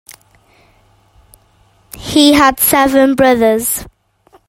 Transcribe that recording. He had seven brothers.